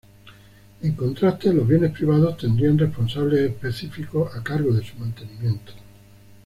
En contraste, los bienes privados tendrían responsables específicos a cargo de su mantenimiento.